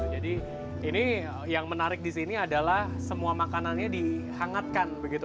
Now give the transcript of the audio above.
jadi ini yang menarik di sini adalah semua makanannya dihangatkan begitu